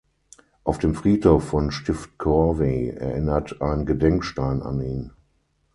Auf dem Friedhof von Stift Corvey erinnert ein Gedenkstein an ihn.